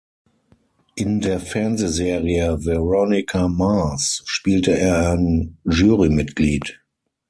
In der Fernsehserie "Veronica Mars" spielte er ein Jury-Mitglied.